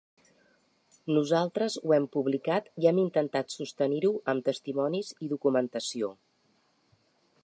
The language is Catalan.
Nosaltres ho hem publicat i hem intentat sostenir-ho amb testimonis i documentació.